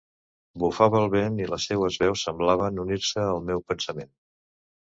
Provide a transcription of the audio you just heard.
Bufava el vent i les seues veus semblaven unir-se al meu pensament.